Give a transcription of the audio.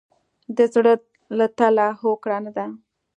د زړه له تله هوکړه نه ده.